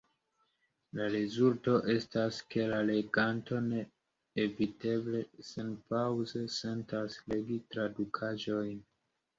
La rezulto estas, ke la leganto neeviteble senpaŭze sentas legi tradukaĵon.